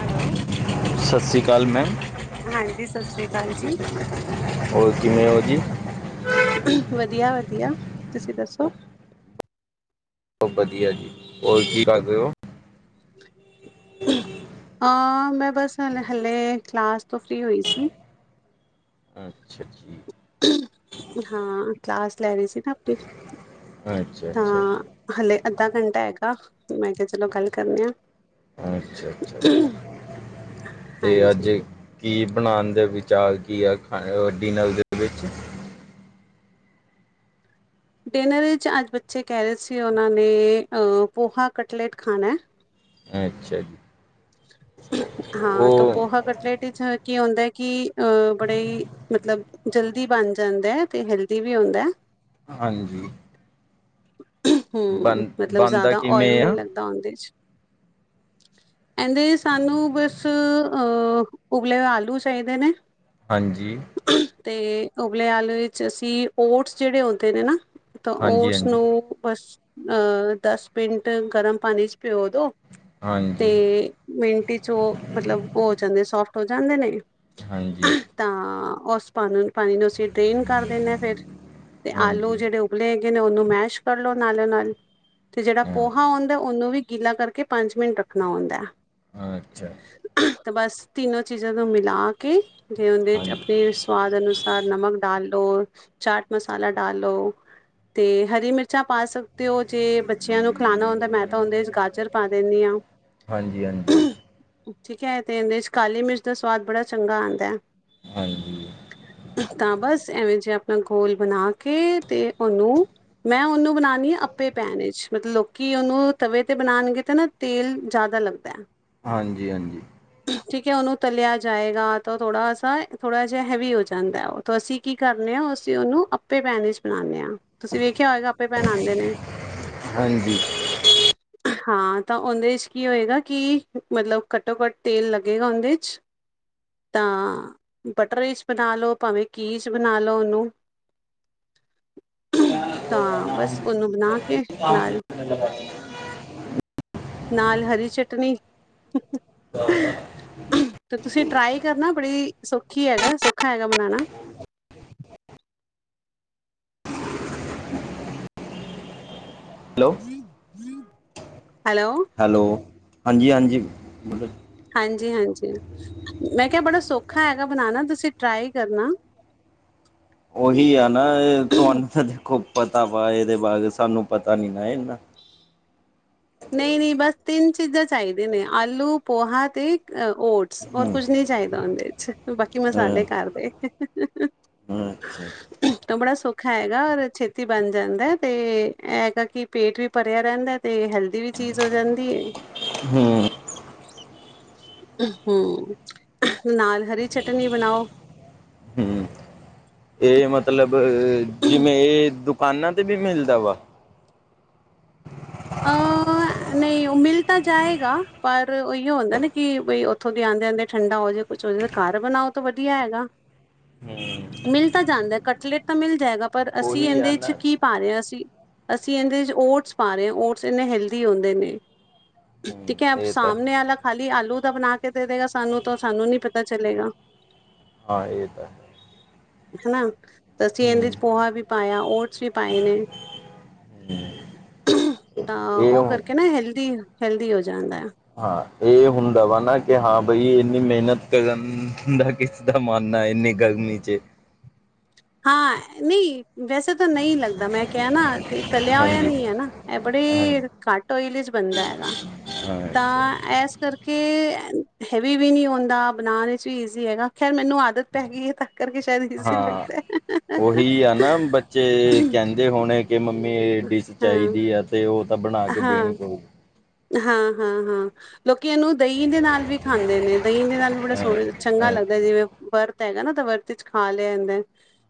Hello, ਸਤਿ ਸ਼੍ਰੀ ਅਕਾਲ ਮੈਮ ਹਾਂਜੀ ਸਤਿ ਸ੍ਰੀ ਅਕਾਲ ਜੀ। ਹੋਰ ਕਿਵੇਂ ਉਹ ਜੀ? ਵਧੀਆ-ਵਧੀਆ ਤੁਸੀਂ ਦੱਸੋ? ਸਬ ਵਧੀਆ ਜੀ, ਹੋਰ ਕੀ ਕਰ ਰੇ ਹੋ? ਮੈਂ ਬਸ ਹ ਹਾਲੇ ਕਲਾਸ ਤੋਂ ਫਰੀ ਹੋਈ ਸੀ। ਅੱਛਾ ਜੀ। ਹਾਂ, ਕਲਾਸ ਲੈ ਰਹੀ ਸੀ ਨਾ ਆਪਣੀ, ਅੱਛਾ ਤਾਂ ਅੱਛਾ ਹਲੇ ਅੱਧਾ ਘੰਟਾ ਹੈਗਾ, ਮੈਂ ਕਿਹਾ ਚਲੋ ਗੱਲ ਕਰਨੀ ਆ। ਅੱਛਾ-ਅੱਛਾ, ਅੱਛਾ ਤੇ ਅੱਜ ਹਾਂਜੀ। ਕੀ ਬਣਾਉਣ ਦੇ ਵਿਚਾਰ ਕੀ ਆ ਖਾਣੇ ਦਾ ਡਿਨਰ ਦੇ? ਵਿਚ, ਡਿਨਰ ਵਿੱਚ ਅੱਜ ਬੱਚੇ ਕਹਿ ਰਹੇ ਸੀ, ਉਹਨਾਂ ਨੇ ਪੋਹਾ ਕਟਲੇਟ ਖਾਣਾ ਏ। ਅੱਛਾ ਜੀ। ਹਾਂ, ਤੇ ਉਹ ਪੋਹਾ ਕਟਲੇਟ ਵਿੱਚ ਕੀ ਹੁੰਦਾ ਕਿ ਬੜਾ ਹੀ ਮਤਲਬ ਜਲਦੀ ਬਣ ਜਾਂਦਾ ਅਤੇ ਹੈਲਦੀ ਵੀ ਹੁੰਦਾ। ਹਾਂਜੀ। ਹੂੰ ਬਣ ਮਤਲਬ ਬਣਦਾ ਜ਼ਿਆਦਾ ਓਇਲ ਕਿਵੇਂ ਨਹੀਂ ਆ ਲੱਗ, ਦਾ ਓਨ ਦੇਜ, ਏਂਦੇ ਚ ਸਾਨੂੰ ਬਸ ਅਹ, ਉਬਲੇ ਹੋਏ ਆਲੂ ਚਾਹੀਦੇ ਨੇ। ਹਾਂਜੀ। ਤੇ ਉਬਲੇ ਆਲੂ ਵਿੱਚ ਅਸੀਂ ਓਟਸ ਜਿਹੜੇ ਹੂੰਦੇ ਨੇ ਨਾ, ਤਾਂ ਹਾਂਜੀ ਓਟਸ ਉਹ ਬਸ ਦਸ ਮਿੰਟ ਗਰਮ ਪਾਣੀ 'ਚ ਪਿਓ ਦੋ ਤੇ ਹਾਂਜੀ ਮਿੰਟ ਚ ਉਹ ਮਤਲਬ, ਉਹ ਹੋ ਜਾਂਦੇ, ਸੋਫਟ ਹੋ ਜਾਂਦੇ ਨੇ। ਹਾਂਜੀ। ਤਾਂ ਉਸ ਪਾ -ਪਾਣੀ ਨੂੰ ਅਸੀਂ ਡਰੇਨ ਕਰ ਦਿੰਦੇ ਹਾਂ ਫੇਰ, ਤੇ ਆਲੂ ਹਾਂਜੀ ਜਿਹੜੇ ਉਬਲੇ ਹੈਗੇ ਨੇ ਉਹਨੂੰ ਮੈਸ਼ ਕਰ ਲਓ ਨਾਲੋਂ- ਨਾਲ ਤੇ ਜਿਹੜਾ ਹਾਂਜੀ ਪੋਹਾ ਆਉਂਦਾ ਉਹਨੂੰ ਵੀ ਗਿੱਲਾ ਕਰਕੇ ਪੰਜ ਮਿੰਟ ਰੱਖਣਾ ਹੁੰਦਾ ਹੈ। ਅੱਛਾ। ਤੇ ਬਸ ਤਿੰਨੋ ਚੀਜ਼ਾਂ ਨੂੰ ਮਿਲਾ ਕੇ ਤੇ ਉਹਦੇ ਚ ਹਾਂਜੀ ਆਪਣੇ ਸਵਾਦ ਅਨੁਸਾਰ ਨਮਕ ਡਾਲ ਦੋ ਚਾਟ ਮਸਾਲਾ ਡਾਲ ਲੋ, ਤੇ ਹਰੀ ਮਿਰਚਾਂ ਪਾ ਸਕ ਤੇ ਉਹ ਜੇ ਬੱਚਿਆਂ ਨੂੰ ਖਲਾਉਣਾ ਹੁੰਦਾ ਮੈਂ ਤਾਂ ਉਹਦੇ ਚ ਗਾਜਰ ਪਾ ਦਿੰਦੀ ਹਾਂ। ਹਾਂਜੀ-ਹਾਂਜੀ। ਠੀਕ ਹੈ ਤੇ ਇਹਦੇ ਚ ਕਾਲੀ ਮਿਰਚ ਦਾ ਸਵਾਦ ਬੜਾ ਚੰਗਾ ਆਉਂਦਾ ਹੈ। ਹਾਂਜੀ ਹਾਂਜੀ। ਇਕ ਤਾਂ ਬਸ ਐਵੇਂ ਜੇਹਾ ਆਪਣਾ ਘੌਲ ਬਣਾ ਕੇ ਤੇ ਉਹਨੂੰ ਮੈਂ ਉਹਨੂੰ ਬਣਾਉਾਨਣੀ ਹਾਂ ਆਪੇ ਪੈਣ ਵਿੱਚ ਮਤਲਬ ਲੋਕੀ ਉਹਨੂੰ ਤਵੇ ਤੇ ਬਣਾਉਣਗੇ ਤੇ ਨਾ ਤੇਲ ਜ਼ਿਆਦਾ ਲੱਗਦਾ ਐ। ਹਾਂਜੀ- ਹਾਂਜੀ। ਠੀਕ ਹੈ ਉਹਨੂੰ ਤਲਿਆ ਜਾਏਗਾ ਤਾਂ ਥੋੜਾ ਸ ਥੋੜਾ ਜਿਹਾ ਹੈਵੀ ਹੋ ਜਾਂਦਾ, ਉਹ ਤਾਂ ਅਸੀਂ ਕੀ ਕਰਨੇ ਹਾਂ, ਅਸੀਂ ਉਹਨੂੰ ਆਪੇ ਪੈਣ ਵਿੱਚ ਬਣਾਉਂਦੇ ਹਾਂ। ਤੁਸੀਂ ਵੇਖਿਆ ਹੋਏਗਾ ਆਪੇ ਪੈਨ ਆਉਂਦੇ ਨੇ। ਹਾਂਜੀ। [unintelligible] ਹਾਂ ਤਾਂ ਉਹਦੇ ਚ ਕੀ ਹੋਏਗਾ ਕਿ ਮਤਲਬ ਘੱਟੋ -ਘੱਟ ਤੇਲ ਲੱਗੇਗਾ, ਉਹਦੇ ਚ। ਤਾਂ ਬਟਰ 'ਚ ਬਨਾ ਲੋਂ ਭਾਵੇਂ ਘੀ 'ਚ ਬਣਾ ਲੋ, ਓਨੂੰ। ਤਾਂ, ਬਸ ਓਨੂੰ ਬਨਾ [unintelligible] ਨਾਲ ਹਰੀ ਚਟਨੀ [unintelligible] ਤੇ ਤੁਸੀਂ ਟਰਾਈ ਕਰਨਾ, ਬੜੀ ਸੌਖੀ ਹੈਗਾ, ਸੌਖਾ ਹੈਗਾ ਬਨਾਨਾ। Hello, hello. ਹੈਲੋ, ਹਾਂਜੀ-ਹਾਂਜੀ, ਬੋਲੋ ਜੀ। ਹਾਂਜੀ-ਹਾਂਜੀ, ਮੈਂ ਕੇਆ ਬੜਾ ਸੌਖਾ ਹੈਗਾ ਬਨਾਨਾ, ਤੁਸੀਂ ਟਰਾਈ ਕਰਨਾ। ਓਹੀ ਆ ਨਾ ਤੁਆਨੂੰ ਤਾਂ ਦੇਖੋ ਪਤਾ ਵਾ ਏਦੇ ਬਾਰੇ, ਸਾਨੂੰ ਪਤਾ ਨੀ ਨਾ ਏਨਾਂ ਨਈ-ਨਈ, ਬਸ ਤਿੰਨ ਚੀਜ਼ਾਂ ਚਾਈਦੀਆਂ ਨੇ, ਆਲੂ, ਪੋਹਾ ਤੇ ਅ ਓਟਸ, ਹੋਰ ਹੂੰ, ਕੁਝ ਨੀ ਚਾਈਦਾ ਓਂਦੇ 'ਚ, ਬਾਕੀ ਅ ਮਸਾਲੇ ਘਰਦੇ ਅੱਛਾ। ਤਾਂ ਬੜਾ ਸੌਖਾ ਹੈਗਾ ਔਰ ਛੇਤੀ ਬਨ ਜਾਂਦਾ ਤੇ ਐ ਹੈਗਾ ਕਿ ਪੇਟ ਵੀ ਭਰਿਆ ਰੈਂਦਾ ਤੇ ਹੈਲਦੀ ਵੀ ਚੀਜ਼ ਹੋ ਜਾਂਦੀ ਏ। ਹੂੰ, ਹੂੰ, ਨਾਲ ਹਰੀ ਚਟਨੀ ਬਨਾਓ। ਹੂੰ। ਏ ਮਤਲਬ ਜਿਵੇਂ ਏ ਦੁਕਾਨਾਂ ਤੇ ਵੀ ਮਿਲਦਾ ਵਾ? ਅ ਨਈ ਓ ਮਿਲ ਤਾਂ ਜਾਏਗਾ ਪਰ ਓਇਓ ਹੁੰਦਾ ਨਾ ਕਿ ਬਈ ਓਥੋਂ ਦੇ ਆਂਦੇ-ਆਂਦੇ ਠੰਡਾ ਹੋ ਜੇ। ਕੁਛ ਹੋਜੇ ਤੇ ਘਰ ਬਨਾਓ ਤਾਂ ਵਦੀਆ ਹੈਗਾ। ਹ। ਹੂੰ। ਮਿਲ ਤਾਂ ਜਾਂਦਾ, ਕਟਲੇਟ ਤਾਂ ਮਿਲ ਜਾਏਗਾ। ਪਰ ਅਸੀਂ ਉਹੀ ਆ ਏਂਦੇ 'ਚ ਨਾ ਕੀ ਪਾ ਰੇ ਆਂ ਅਸੀਂ, ਅਸੀਂ ਏਂਦੇ 'ਚ ਓਟਸ ਪਾ ਰੇ ਆਂ। ਓਟਸ ਏਨੇ ਹੈਲਦੀ ਹੁੰਦੇ ਨੇ, ਹੂੰ ਠੀਕ ਐ ਇਹ ਤਾਂ ਹੈ ਸਾਮਨੇ ਆਲਾ ਖਾਲੀ ਆਲੂ ਦਾ ਬਨਾ ਕੇ ਦੇ ਦੇਗਾ ਸਾਨੂੰ ਤਾਂ, ਸਾਨੂੰ ਨੀ ਪਤਾ ਚਲੇਗਾ। ਹਾਂ ਏ ਤਾਂ ਹੈ। ਹਨਾ ਤੇ ਅਸੀਂ ਏਂਦੇ ਹੂੰ, 'ਚ ਪੋਹਾ ਵੀ ਪਾਇਆ, ਓਟਸ ਵੀ ਪਾਏ ਨੇ। [inaudible] ਤਾਂ ਇਹ ਓ ਹੁਣ ਕਰਕੇ ਨਾ ਹੈਲਦੀ, ਹੈਲਦੀ ਹੋ ਜਾਂਦਾ ਐ। ਹਾਂ ਏ ਹੁੰਦਾ ਵਾ ਨਾ ਕਿ ਹਾਂ ਬਈ ਏਨੀਂ ਮੇਹਨਤ ਕਰਨ ਦਾ ਕਿਸ ਦਾ ਮਨ ਨਾ ਹੋਏ, ਇੰਨੀ ਗਰਮੀ 'ਚ। ਹਾਂ ਨਈ ਵੈਸੇ ਤਾਂ ਨਈ ਲੱਗਦਾ ਮੈਂ ਕੇਆ ਨਾ ਤੇ ਤਲਯਾ ਹੋਇਆ ਹਾਂਜੀ। ਨੀ ਐ ਨਾ ਐ ਹਾਂ ਬੜੀ ਘੱਟ ਓਇਲ 'ਚ ਬਨਦਾ ਹੈਗਾ। ਅੱਛਾ ਤਾਂ ਏਸ ਕਰਕੇ ਹੈਵੀ ਵੀ ਨੀ ਹੁੰਦਾ, ਬਨਾਨ ਇਚ ਵੀ ਈਜ਼ੀ ਹੈਗਾ, ਖੈਰ ਮੈਨੂੰ ਆਦਤ ਪੈ ਗੀ ਹੈ ਤਾਂ ਕਰਕੇ ਸ਼ਾਇਦ ਇਜ਼ੀ ਲੱਗਦੈ। ਓਹੀ ਆ ਨਾ ਬੱਚੇ ਕੈਂਦੇ ਹੋਣੇ ਕਿ ਮੰਮੀ ਐ ਡਿਸ਼ ਹਾਂ ਚਾਈਦੀ ਤੇ ਓ ਤਾਂ ਬਣਾ ਕੇ ਦੇਣੀ ਹਾਂ ਪਊ। ਹਾਂ, ਹਾਂ, ਹਾਂ। ਲੋਕੀ ਏਨੂੰ ਦਈ ਦੇ ਨਾਲ ਵੀ ਖਾਂਦੇ ਨੇ, ਦਹੀਂ ਦੇ ਨਾਲ ਵੀ ਬੜਾ ਅ ਸੋਣਾ ਚੰਗਾ ਲੱਗਦਾ ਐ ਅੱਛਾ ਜਿਵੇਂ ਬਰਤ ਤ ਹੈਗਾ ਨਾ ਤਾਂ ਵਰਤ 'ਚ ਖਾ ਲੈਂਦੈਨ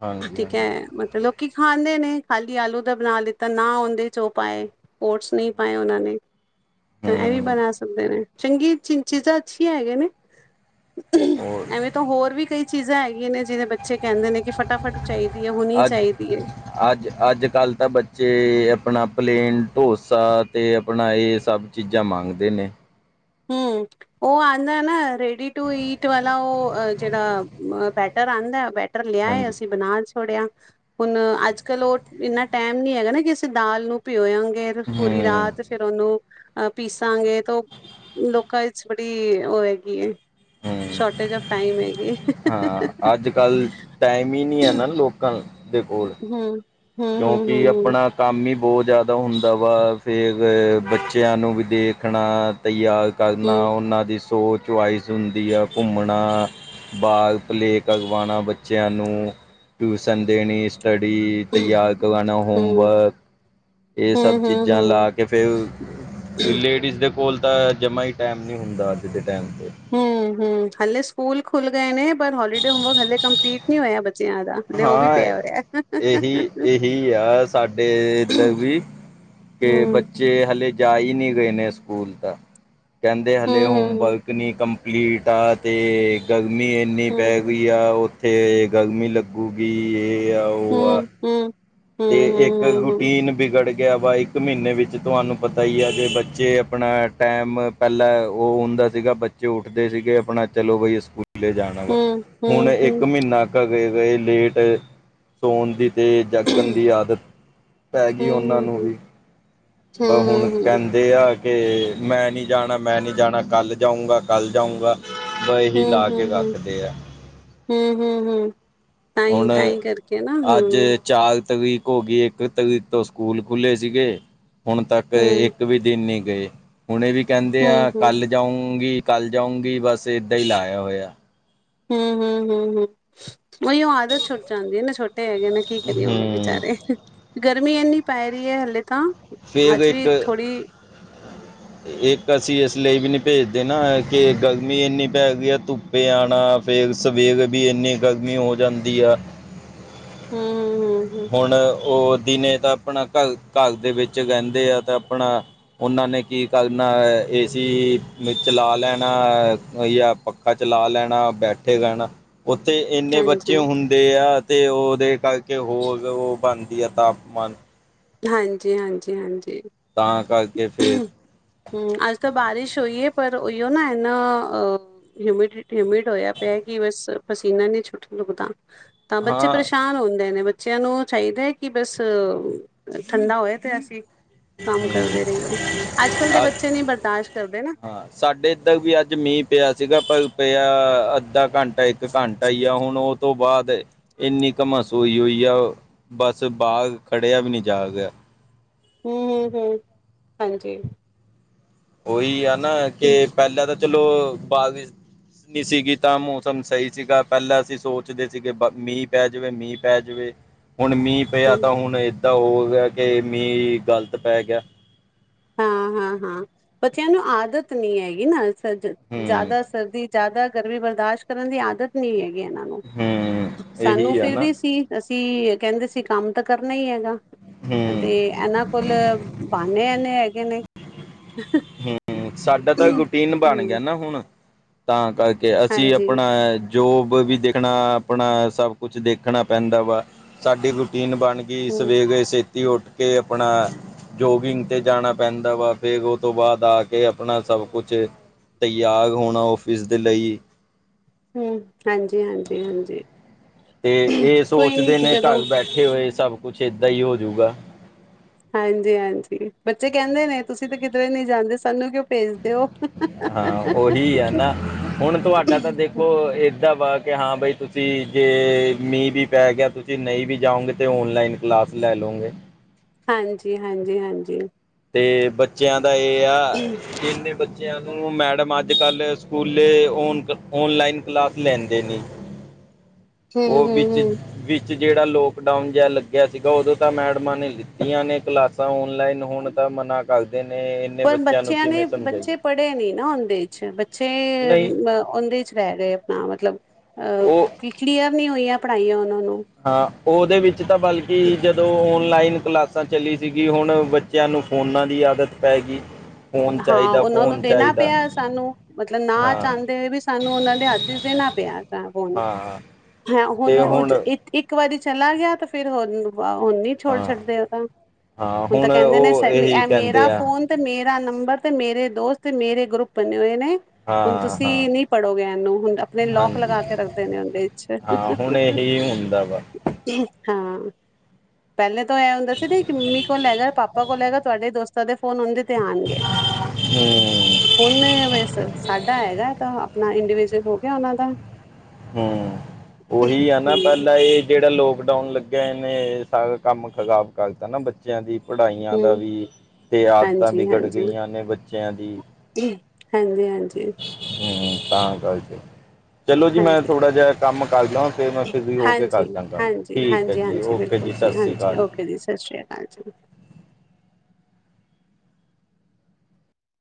ਹਾਂਜੀ ਠੀਕ ਐ ਹਾਂਜੀ ਮਤਲਬ ਕੀ ਖਾਂਦੇ ਨੇ ਖਾਲੀ ਆਲੂ ਦਾ ਬਨਾ ਲੀਤਾ, ਨਾ ਓਂਦੇ 'ਚ ਓ ਪਾਏ ਓਟਸ ਨਈ ਪਾਏ ਓਨਾਂ ਨੇ। ਤਾਂ ਐਵੇ ਵੀਂ ਹਮ ਬਨਾ ਸਕਦੇ ਨੇ, ਚੰਗੀ ਚੀ-ਚੀਜ਼ਾਂ ਅੱਛੀਆਂ ਹੈਗੀਆਂ ਨੇ। ਹੋਰ ਐਵੇਂ ਤੋਂ ਹੋਰ ਵੀ ਕਈ ਚੀਜ਼ਾਂ ਹੈਗੀਆਂ ਨੇ ਜਿਵੇਂ ਬੱਚੇ ਕਹਿੰਦੇ ਨੇ ਕਿ ਫਟਾਫਟ ਚਾਹੀਦੀ ਐ ਹੋਣੀ ਅੱਜ ਚਾਹੀਦੀ ਐ। ਅੱਜ ਅੱਜ-ਕੱਲ੍ਹ ਤਾਂ ਬੱਚੇ ਆਪਣਾ ਪਲੇਨ ਢੋਸਾ ਤੇ ਆਪਣਾ ਇਹ ਸਭ ਚੀਜ਼ਾਂ ਮੰਗਦੇ ਨੇ। ਹੂੰ, ਉਹ ਆਦਾ ਨਾ ਰੇਡੀ ਟੂ ਈਟ ਵਾਲਾ ਉਹ ਜਿਹੜਾ ਬੈਟਰ ਆਦਾ ਬ ਲਿਆ ਹਾਂਜੀ ਅਸੀਂ ਬਣਾ ਛੋੜਿਆ, ਹੁਣ ਅੱਜ ਕੱਲ ਉਹ ਇੰਨਾ ਟਾਈਮ ਨੀ ਹੈਗਾ ਨਾ ਕਿ ਅਸੀਂ ਦਾਲ ਨੂੰ ਭਿਓ ਆਗੇ ਪੂਰੀ ਹਮ ਰਾਤ ਫਿਰ ਉਹਨੂੰ। ਅ ਪੀਸਾਂਗੇ ਤਾਂ ਉਹ ਲੋਕਾਂ ਵਿਚ ਬੜੀ ਉਹ ਹੈਗੀ ਏ। ਹਮ ਸ਼ੋਰਟੇਜ ਆਫ ਟਾਈਮ ਹੈਗੀ। ਹਾਂ ਅੱਜ ਕੱਲ੍ਹ ਟਾਈਮ ਈ ਨੀ ਐ ਨਾ ਲੋਕਾਂ ਦੇ ਕੋਲ। ਹੂੰ, ਕਿਉਂਕਿ ਆਪਣਾ ਕੰਮ ਈ ਬੋਤ ਜ਼ਿਆਦਾ ਹੁੰਦਾ ਵਾ ਫਿਰ ਬੱਚਿਆਂ ਨੂੰ ਵੀ ਦੇਖਣਾ ਤ ਆ ਕਰਨਾ ਹਮ ਉਹਨਾਂ ਦੀ ਸੋਚ ਚੁਆਇਸ ਹੁੰਦੀ ਆ ਘੁੰਮਣਾ ਬਾਗ ਪਲੇੇਕ ਕਰਵਾਣਾ ਬੱਚਿਆਂ ਨੂੰ। ਟਿਊਸ਼ਨ ਦੇਣੀ ਸਟੱਡੀ ਤਿਆਰ ਕਰਵਾਣਾ ਹਮ ਹੋਮਵਰਕ ਇਹ ਸਭ ਹਮ ਹਮ ਹਮ ਚੀਜ਼ਾਂ ਲਾ ਕੇ ਫੇਰ, ਹਮ ਲੇਡੀਜ਼ ਦੇ ਕੋਲ ਤਾਂ ਜਮਾ ਈ ਟੈਮ ਨੀ ਹੁੰਦਾ ਅੱਜ ਦੇ ਟੈਮ ਤੇ ਹੂੰ-ਹੂੰ, ਹਲੇ ਸਕੂਲ ਖੁੱਲ ਗਏ ਨੇ ਪਰ ਹੋਲੀਡੇ ਹੋਮਵਰਕ ਹਲੇ ਕੰਪਲੀਟ ਨੀ ਹੋਇਆ ਬੱਚਿਆਂ ਦਾ। ਹਲੇ ਉਹ ਵੀ ਹਾਂ, ਪਿਆ ਹੋਇਆ। ਇਹੀ ਇਹੀ ਆ ਸਾਡੇ ਏਧਰ ਵੀ। ਕੇ ਬੱਚ ਹੂੰ, ਬੱਚੇ ਹਲੇ ਜਾ ਈ ਨੀ ਰਹੇ ਨੇ ਸਕੂਲ ਤਾਂ, ਕਹਿੰਦੇ ਹਲੇ ਹੂੰ, ਹੂੰ, ਹੋਮਵਰਕ ਨੀ ਕੰਮ ਕੰਪਲੀਟ ਆ ਤੇ ਗਰਮੀ ਇੰਨੀ ਪੈ ਹੂੰ, ਹੂੰ। ਗਈ ਆ ਉੱਥੇ ਗਰਮੀ ਲੱਗ ਲੱਗੂਗੀ ਇਹ ਆ ਓਹ ਆ। ਹੂੰ, ਹੂੰ। ਤੇ ਹੂੰ, ਇੱਕ ਹੂੰ, ਰੂਟੀਨ ਵਿਗੜ ਗਿਆ ਵਾ ਇੱਕ ਮਹੀਨੇ ਵਿੱਚ ਤੁਹਾਨੂੰ ਪਤਾ ਈ ਆ ਜੇ ਬੱਚੇ ਆਪਣਾ ਟੈਮ ਪਹਿਲਾਂ ਉਹ ਹੁੰਦਾ ਸੀਗਾ ਬੱਚੇ ਉੱਠਦੇ ਸੀਗੇ ਆਪਣਾ ਚਲੋ ਬਾਈ ਸਕੂ ਸਕੂਲੇ ਜਾਣਾ ਵਾ, ਹੂੰ, ਹੂੰ। ਹੂੰ, ਹੁਣ ਹੂੰ, ਇੱਕ ਹੂੰ, ਮਹੀਨਾ [unintelligible] ਗਏ ਲੇਟ ਸੋਣ ਦੀ ਤੇ ਜਾਗ ਗੰਦੀ ਆਦਤ, ਪੈਗੀ ਹੂੰ, ਉਹਨਾਂ ਹੂੰ, ਨੂੰ ਵੀ ਬਸ ਹੁਣ ਕਹਿੰ ਤੇ ਅ ਕੇ ਮੈਂ ਨੀ ਜਾਣਾ ਮੈਂ ਨੀ ਜਾਣਾ ਕੱਲ੍ਹ ਜਾਊਂਗਾ ਕੱਲ੍ਹ ਜਾਊਂਗਾ। ਬ ਇਹੀ ਹੂੰ ਲਾ ਕੇ ਹੂੰ ਹੂੰ, ਰੱਖਦੇ ਆ ਹੂੰ ਹੂੰ ਹੂੰ ਹੂੰ। ਤਾਂਈ, ਹੁਣ ਤਾਂਈ ਕਰਕੇ ਨਾ ਅੱਜ ਚਾਰ ਤਰੀਕ ਹੋਗੀ ਇੱਕ ਤਰੀਕ ਤੋਂ ਸਕੂਲ ਖੁੱਲ੍ਹੇ ਸੀਗੇ। ਹੁਣ ਤੱਕ ਹੂੰ, ਇੱਕ ਵੀ ਦਿਨ ਨੀ ਗਏ, ਹੁਣ ਇਹ ਵੀ ਕਹਿੰਦੇ ਹੂੰ, ਆ ਹੂੰ। ਕੱਲ ਜਾਊਗੀ ਕੱਲ ਜਾਊਗੀ ਬਸ ਏਦਾਂ ਈ ਲਾਇਆ ਹੋਇਆ। ਹੂੰ ਹੂੰ ਹੂੰ ਹੂੰ। ਉਹੀ ਉਹ ਆਦਤ ਛੁੱਟ ਜਾਂਦੀ ਏ ਨਾ ਛੋਟੇ ਹੈਗੇ ਨੇ ਕੀ ਕਰੀਏ ਹੋਰ ਹੂੰ ਵਿਚਾਰੇ। ਗਰਮੀ ਐਨੀ ਪਏ ਰਹੀ ਐ ਹਲੇ ਤਾਂ ਫੇਰ ਅੱਜ ਇੱਕ ਵੀ ਥੋੜ੍ਹੀ ਇੱਕ ਅਸੀਂ ਇਸ ਲਈ ਵੀ ਨੀ ਭੇਜਦੇ ਨਾ ਕਿ ਗਰਮੀ ਏਨੀ ਪੈ ਗਈ ਐ ਧੁੱਪ ਪੇ ਆਣਾ ਫੇਰ ਸਵੇਰ ਵੀ ਇੰਨੀ ਗਰਮੀ ਹੋ ਜਾਂਦੀ ਆ। ਹੂੰ ਹੂੰ ਹੂੰ ਹੂੰ। ਹੁਣ ਓ ਦਿਨੇ ਤਾਂ ਅਪਣਾ ਕੱਲ-ਕੱਲ ਦੇ ਵਿੱਚ ਰੈਦੇ ਆ, ਤਾ ਆਪਣਾ ਓਨਾ ਨੇ ਕੀ ਕਰਨਾ ਐ ਏਸੀ [unintelligible] ਚਲਾ ਲੈਣਾ, ਯਾ ਪ ਖਾ, ਚਲਾ ਲੈਣਾ ਬੈਠੇ ਰੈਣਾ ਓਥੇ ਏਨੇ ਬੱਚੇ ਹਾਂਜੀ ਹੁੰਦੇ ਆ, ਤੇ ਓਦੇ ਕਾਰਕੇ ਹੋਰ ਓ ਬਣਦੀ ਆ ਤਾਪਮਾਨ ਹਾਂਜੀ, ਹਾਂਜੀ, ਹਾਂਜੀ। ਤਾਂ ਕਾਰਕੇ ਫੇਰ ਹੂੰ, ਅੱਜ ਤਾ ਬਾਰਿਸ਼ ਹੋਈ ਏ, ਪਰ ਓਈ ਓ ਨਾ, ਐਨਾ ਅ ਹਿਊਮਿਡੀਟੀ, ਹਿਊਮਿਡ ਹੋਇਆ ਪੇਆ, ਕਿ ਬਸ ਪਸੀਨਾ ਨੀ ਛੁੱਟ ਰੁਕਦਾ। ਤਾਂ ਬੱਚੇ ਹਾਂ ਪਰੇਸ਼ਾਨ ਹੁੰਦੇ ਨੇ, ਬੱਚੇਆਂ ਨੂੰ ਚਾਈਦਾ ਕਿ ਬਸ ਅ ਠੰਡਾ ਹੋਏ ਤੇ ਅਸੀਂ ਕੰਮ ਹੂੰ ਕਰਦੇ ਰਈ ਏ, ਅੱਜ-ਕੱਲ ਦੇ ਅੱਜ ਬੱਚੇ ਨੀ ਬਰਦਾਸ਼ ਕਰਦੇ ਨਾ। ਹਾਂ ਸਾਡੇ ਏਧਰ ਵੀ ਅੱਜ ਮੀ ਪੇਆ ਸੀਗਾ ਪਰ ਪੇਆ, ਅੱਧਾ ਘੰ ਏਕ ਘੰਟਾ ਈ ਆ ਹੁਣ ਓ ਤੋਂ ਬਾਅਦ ਏਨੀਕ ਕਮਸ ਹੁਈ ਹੋਈ ਆ, ਬੱਸ ਬਾਰ ਖੜੇਆ ਵੀ ਨੀ ਜਾ ਰੇਆ। ਹੂੰ-ਹੂੰ, ਹਾਂਜੀ। ਓਈ ਆ ਨਾ, ਕੇ ਪੈਲਾ ਤਾਂ ਚਲੋ ਬਾਦ ਵਿੱਚ ਨੀ ਸੀ ਗੀਤਾ ਮੌਸਮ ਸਈ ਸੀਗਾ ਪੈਲਾ ਅਸੀ ਸੋਚਦੇ ਸੀਗੇ ਬ ਮੀ ਪੈ ਜਵੇ, ਮੀ ਪੈ ਜਵੇ ਹੁਣ ਮੀ ਪੇਆ ਤਾਂ ਹੁਣ ਏਦਾ ਹੋ ਗੇਆ ਕੇ ਮੀ ਗਲਤ ਪੈ ਗੇਆ ਹਾਂ, ਹਾਂ, ਹਾਂ, ਬੱਚੇਆਂ ਨੂੰ ਆਦਤ ਨੀ ਹੈਗੀ ਨਾ ਅਸਲ ਚ ਹੂੰ ਜਾਦਾ ਸਰਦੀ ਜਾਦਾ ਗਰਮੀ ਬਰਦਾਸ਼ ਕਰਨ ਦੀ ਆਦਤ ਨੀ ਹੈਗੀ ੲੈਨਾਂ ਨੂੰ, ਹੂੰ ਸਾਨੂੰ ਇਹੀ ਆ ਫਿਰ ਨਾ ਵੀ ਸੀ ਅਸੀਂ ਕੈੰਦੇ ਸੀ ਕੰਮ ਤਾਂ ਕਰਨਾ ਈ ਹੈਗਾ ਹੂੰ ਤੇ ੲੈਨਾ ਕੋਲ ਬਾਣੇ ਐਨੇ ਹੈਗੇ ਨੇ। ਸਾਡਾ ਤਾਂ ਰੂਟੀਨ ਬੱਣ ਗੇਆ ਹਮ ਨਾ ਹੁਣ, ਤਾਂ ਕਾਰਕੇ ਅਸੀ ਹਾਂਜੀ ਅਪਣਾ ਜੋਬ ਵੀ ਦੇਖਣਾ, ਅਪਣਾ ਸਭ ਕੁਛ ਦੇਖਣਾ ਪੈਂਦਾ ਵਾ਼, ਸਾਡੀ ਰੂਟੀਨ ਬੱਣ ਗੀ ਹਮ ਸਵੇਰੇ ਸੇ ਤੀ ਓਠ ਕੇ ਆਪਣਾ ਜੋਗਿੰਗ ਤੇ ਜਾਣਾ ਪੈਂਦਾ ਵਾ, ਫੇਰ ਓ ਤੋਂ ਬਾਅਦ ਆ ਕੇ ਆਪਣਾ ਸੱਭ ਕੁਛ ਤਿਆਰ ਹੋਣਾ ਔਫਿਸ ਦੇ ਲਈ ਹਮ, ਹਾਂਜੀ, ਹਾਂਜੀ, ਹਾਂਜੀ, ਕੋਈ ਨੀ ਜਦੋ ਠੇ ਹੋਏ ਸੱਭ ਕੁਛ ਏਦਾਂ ਈ ਹੋਜੂਗਾ ਹਾਂਜੀ-ਹਾਂਜੀ ਬੱਚੇ ਕੈੰਦੇ ਨੇ ਤੁਸੀਂ ਤੇ ਕਿਧਰੇ ਨੀ ਜਾਂਦੇ ਸਾਨੂੰ ਕਿਓ ਹਾਂ, ਓਹੀ ਆ ਨਾ, ਹੁਣ ਤੁਆਡਾ ਤਾਂ ਦੇ ਖੋ, ਏਦਾ ਵਾ ਕਿ ਹਾਂ ਬਈ ਤੁਸੀਂ ਜੇ, ਮੀ ਵੀ ਪੈ ਗੇਆ, ਤੁਸੀਂ ਨਈ ਵੀ ਜਾਓਗੇ, ਤੇ ਔਨਲਾਈਨ ਕਲਾਸ ਲੈ ਲੋਗੇ ਹਾਂਜੀ, ਹਾਂਜੀ, ਹਾਂਜੀ। ਤੇ ਬੱਚੇਆਂ ਦਾ ਏਆ, ਹੂੰ ਜਿੰਨੇ ਬ ਚੇਆਂ ਨੂੰ ਮੈਡਮ ਅੱਜ-ਕੱਲ ਸਕੂਲੇ ਔਨ ਔਨਲਾਈਨ ਕਲਾਸ ਲੈਂਦੇ ਨੇ ਓ ਹੂੰ ਵਿੱਚ, ਹੂੰ ਵਿ ਚ ਜੇੜਾ ਲੋਕਡਾਊਨ ਜੇਆ ਲੱਗੇਆ ਸੀਗਾ, ਓਦੋ ਤਾਂ ਮੈਡਮਾਂ ਨੇ ਲਿੱਤੀਆ ਨੇ ਕਲਾਸਾਂ ਔਨਲੈਨ ਹੋਣ ਤਾਂ ਮਨਾ ਕਰਦੇ ਨੇ, ਏਂਨੇ ਪਰ ਬੱਚੇਆਂ ਨੂੰ ਬੱਚਿਆਂ ਕਿਵੇਂ ਸਮਝਾਏ ਅਛਾ ਬੱਚੇ, ਮ ਓਦੇ ਚ ਰੈਰੇ ਅਪਣਾ ਮਤਲਬ, ਅ ਉਹ ਕਿ, ਕਿਲੀਅਰ ਨੀ ਹੋਈਆਂ ਪੜਾਈ ਓਨਾ ਨੂੰ ਹਾਂ, ਓਦੇ ਵਿੱਚ ਤਾਂ ਬਲਕਿ ਜ ਦੋਂ ਓਨਲਾਈਨ ਕਲਾਸਾਂ ਚੱਲੀ ਸੀਗੀ, ਹੋਣ ਬੱਚੇਆ ਨੂੰ ਫੋਨਾਂ ਦੀ ਆਦਤ ਪੈ ਗੀ। ਹਾਂ, ਉਨਾਂ ਨੂੰ ਦੇਣਾ ਪਯਾ ਸਾਨੂੰ, ਮਤਲਬ ਨਾ ਹਾਂ ਚਾੰਦੇ ਹੋੲ ਵੀ ਸਾਨੂੰ ਉਨਾਂ ਦੇ ਹੱਥ ਚ ਦੇਣਾ ਪਯੈ ਫੋਨ, ਹਾਂ ਹੈ ਹੁਣ ਉਹ ਚ ੲਕ ਇੱਕ ਵਾਰੀ ਚਲਾ ਗਯਾ, ਤੇ ਫੇਰ ਹੁਣ ਨੀ ਛੋੜ ਹਾਂ ਸਕਦੇ ਐ ਤਾਂ, ਹਾਂ ਹੁਣ ਤਾਂ ਕਹਿੰਦੇ ਨੇ ਉਹ ਇਹੀ ਏ ਕਹਿੰਦੇ ਮੇਰਾ ਆ ਫੋਨ ਤੇ ਮੇਰਾ ਨੰਬਰ, ਤੇ ਮੇਰੇ ਦੋਸਤ, ਮੇਰੇ ਗਰੁੱਪ, ਬਣੇ ਹੋਏ ਨੇ। ਹੁਣ ਹਾਂ ਹਾਂ ਤੁਸੀ ਨੀ ਪੜੋਗੇ ਏਨੂੰ, ਹੁਣ ਅਪਣੇ ਲੋਕ ਹਾਂਜੀ ਲਗਾ ਕੇ ਰੱਖਦੇ ਨੇ ਉਂਦੇ ਚ। ਹਾਂ, ਹੁਣ ਏਹੀ ਹੁੰਦਾ ਵਾ। ਹਾਂ। ਪਹਿਲੇ ਤੋਂ ਏਹ ਹੁੰਦਾ ਸੀ, ਇਕ ਮੰਮੀ ਕੋਲ ਹੈਗਾ, ਪਾਪਾ ਕੋਲ ਹੈਗਾ, ਤਵਾਡੇ ਦੋਸਤਾਂ ਦੇ ਫੋਨ ਉੱਥੇ ਚ ਤੇ ਆਣਗੇ। ਹੂੰ ਹੁਣ ਬਸ ਸਾਡਾ ਹੈਗਾ, ਤਾਂ ਆਪਣਾ ਇੰਡਵਿਜਅਲ ਹੋ ਗਯਾ ਉਨਾਂ ਦਾ। ਹਮ, ਹੂੰ ਉਹੀ ਐ ਨਾ ਪਹਿਲ ਏਹ ਜੇੜਾ ਲੋਕਡਾਊਨ ਲੱਗਿਆ ਇਨੇ, ਸਾਰਾ ਕੰਮ ਖਰਾਬ ਕਰਤਾ ਨਾ ਬੱਚੇ ਬੱਚਿਆਂ ਦੀ ਪੜਾਈਆਂ ਦਾ ਹੂੰ ਵੀ, ਤੇ ਆਦਤਾਂ ਹਾਂਜੀ ਵਿਗੜ ਹਾਂਜੀ ਗਈਆਂ ਨੇ ਬੱਚਿਆਂ ਦੀ। ਹਾਂਜੀ- ਹਾਂਜੀ। ਹਮ, ਤਾਂ ਗੱਲਤ ਏ, ਚਲੋ ਜੀ, ਮੈਂ ਹਾਂਜੀ ਥੋੜਾ ਜਿਹਾ ਕੰਮ ਕਰ ਲਾ, ਫੇਰ ਮੈਂ ਫ੍ਰੀ ਹੋ ਕੇ ਕਰ ਹਾਂਜੀ ਦਾ ਗੱਲ, ਹਾਂਜੀ ਠੀਕ ਹੈ ਹਾਂਜੀ ਜੀ, ਹਾਂਜੀ ਓਕੇ ਜੀ, ਸਸ ਰੀ ਕਾਲ ਜੀ। ਅੱਛਾ ਜੀ।